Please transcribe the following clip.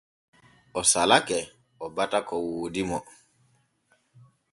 O salake o bata ko woodi mo.